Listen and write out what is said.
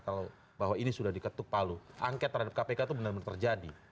kalau bahwa ini sudah diketuk palu angket terhadap kpk itu benar benar terjadi